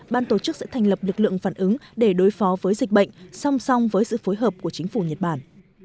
ban tổ chức sẽ thành lập lực lượng phản ứng để đối phó với dịch bệnh song song với sự phối hợp của chính phủ nhật bản